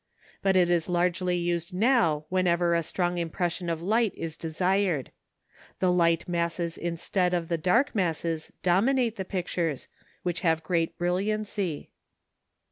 But it is largely used now whenever a strong impression of light is desired. The light masses instead of the dark masses dominate the pictures, which have great brilliancy.